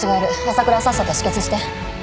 朝倉はさっさと止血して。